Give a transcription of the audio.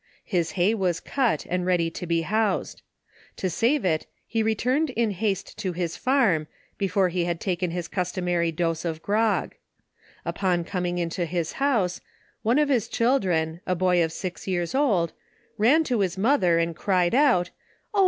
His hay was cut, and ready to be housed.. To save it, he returned in haste to his farm, before he had taken his customary dose of grog. Upon coming into his house, one of his children, a boy of six years old, raj* 26 OV THE EFFECTS OF to his mother, and cried out, « O !